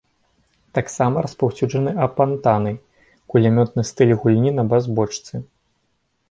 Таксама распаўсюджаны апантаны, кулямётны стыль гульні на бас-бочцы.